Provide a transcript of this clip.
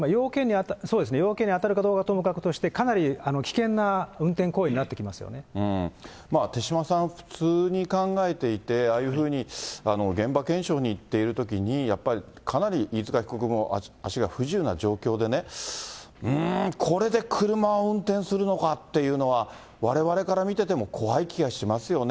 そうですね、要件に当たるかどうかはともかくとして、かなり危険な運転行為に手嶋さん、普通に考えて、ああいうふうに現場検証に行っているときに、やっぱりかなり飯塚被告も足が不自由な状況でね、うーん、これで車を運転するのかっていうのは、われわれから見てても怖い気がしますよね。